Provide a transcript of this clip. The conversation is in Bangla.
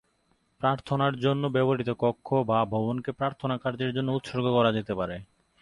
প্রার্থনার জন্য ব্যবহৃত কক্ষ বা ভবনকে প্রার্থনা কাজের জন্য উৎসর্গ করা যেতে পারে।